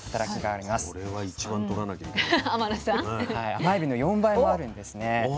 甘エビの４倍もあるんですね。